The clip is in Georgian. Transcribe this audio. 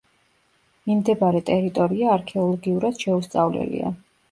მიმდებარე ტერიტორია არქეოლოგიურად შეუსწავლელია.